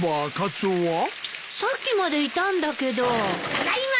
・・ただいま！